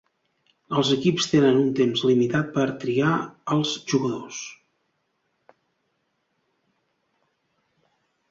Els equips tenen un temps limitat per triar als jugadors.